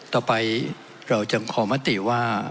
ต่อไปเราจึงขอมติว่า